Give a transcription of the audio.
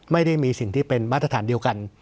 ไม่ได้มีสิ่งที่เป็นมาตรฐานเดียวกัน